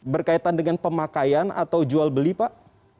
berkaitan dengan pemakaian atau jual beli pak